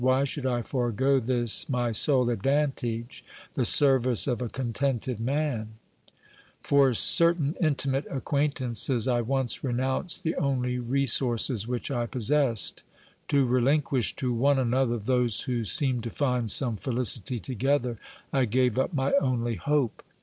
Why should I forego this my sole advantage, the service of a contented man ? For certain intimate acquaintances I once renounced the only resources which I possessed. To relinquish to one another those who seemed to find some felicity together, I gave up my only hope.